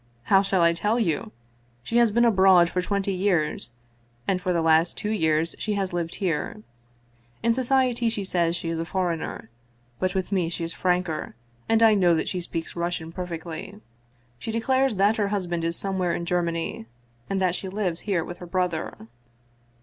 How shall I tell you? She has been abroad for twenty years, and for the last two years she has lived here. In society she says she is a foreigner, but with me she is franker, and I know that she speaks Russian perfectly. She declares that her husband is somewhere in Germany, and that she lives here with her brother."